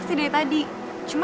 gue jalan dulu ya